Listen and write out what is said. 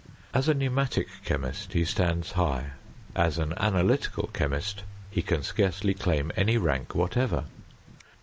As a pneumatic chemist he Liids high; as an analytical chemist lu} can scurcely any rank whatever.